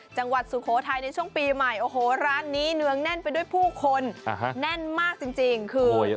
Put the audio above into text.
จังหวัดสุโขทัยในช่วงปีใหม่โอ้โหร้านนี้เนืองแน่นไปด้วยผู้คนอ่าฮะแน่นมากจริงจริงคือโอ้ย